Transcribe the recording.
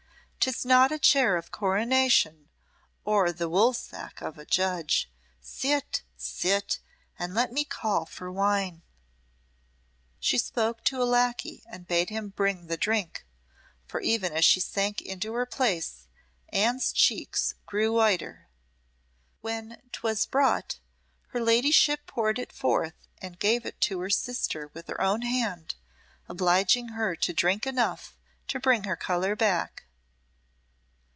"'Tis not a chair of coronation or the woolsack of a judge. Sit! sit! and let me call for wine!" She spoke to a lacquey and bade him bring the drink, for even as she sank into her place Anne's cheeks grew whiter. When 'twas brought, her ladyship poured it forth and gave it to her sister with her own hand, obliging her to drink enough to bring her colour back.